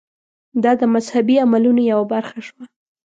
دا د مذهبي عملونو یوه برخه شوه.